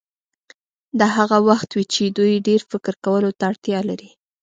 دا هغه وخت وي چې دوی ډېر فکر کولو ته اړتیا لري.